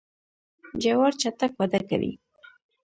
جوار چټک وده کوي.